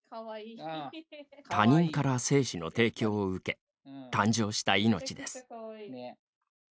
他人から精子の提供を受け誕生した命です。